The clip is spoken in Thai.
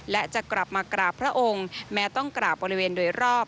และจะกลับมากราบพระองค์แม้ต้องกราบบริเวณโดยรอบ